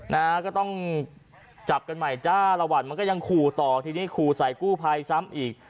นะฮะก็ต้องจับกันใหม่จ้าละวันมันก็ยังขู่ต่อทีนี้ขู่ใส่กู้ภัยซ้ำอีก